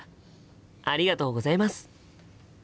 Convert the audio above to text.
ありがとうございます。